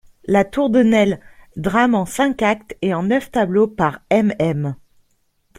=La Tour de Nesle.= Drame en cinq actes et en neuf tableaux, par MM.